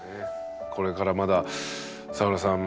これからまだサワラさん